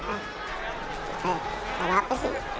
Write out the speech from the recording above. eh eh gak apa apa sih